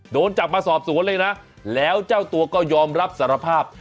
โดนจับมาสอบสวนเลยนะแล้วเจ้าตัวก็ยอมรับสารภาพ